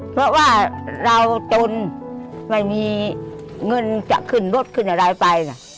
เพราะว่าเราจนไม่มีเงินจะขึ้นรถขึ้นอะไรไปนะ